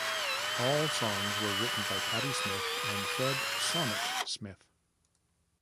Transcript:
All songs were written by Patti Smith and Fred "Sonic" Smith.